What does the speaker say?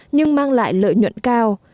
nhưng mang lại lợi nhuận cao